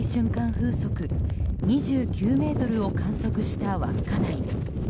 風速２９メートルを観測した稚内。